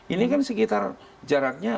ini kan sekitar jaraknya enam puluh